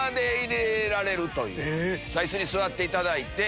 椅子に座っていただいて。